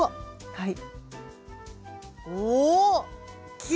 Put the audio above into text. はい。